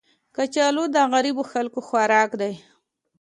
کچالو د غریبو خلکو خوراک دی